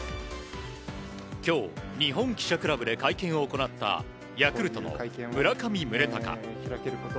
今日、日本記者クラブで会見を行ったヤクルトの村上宗隆。